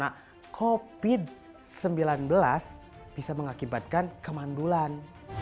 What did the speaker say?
nah covid sembilan belas bisa mengakibatkan kemandulan